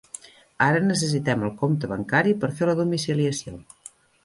Ara necessitem el compte bancari per fer la domiciliació.